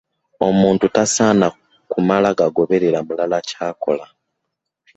Omuntu tasaana kumala gagoberera mulala kyakola .